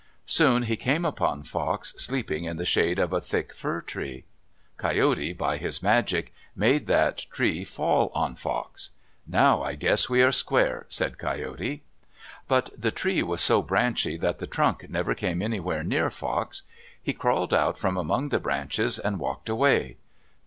Soon he came upon Fox sleeping in the shade of a thick fir tree. Coyote, by his magic, made that tree fall on Fox. "Now I guess we are square," said Coyote. But the tree was so branchy that the trunk never came anywhere near Fox. He crawled out from among the branches and walked away.